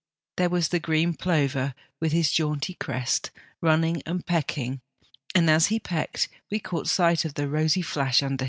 There was the green plover with his jaunty crest, running and pecking, and, as he pecked, we caught sight of the rosy flash under his tail.